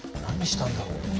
何したんだろう？